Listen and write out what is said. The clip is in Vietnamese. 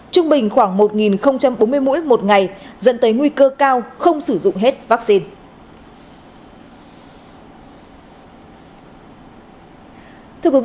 trung bình khoảng một bốn mươi mũi một ngày dẫn tới nguy cơ cao không sử dụng hết vaccine